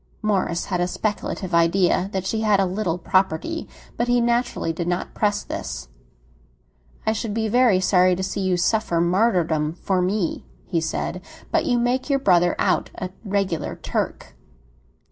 Morris had a speculative idea that she had a little property; but he naturally did not press this. "I should be very sorry to see you suffer martyrdom for me," he said. "But you make your brother out a regular Turk."